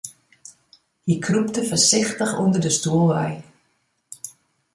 Hy krûpte foarsichtich ûnder de stoel wei.